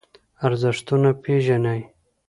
ارزښتونه پېژنئ.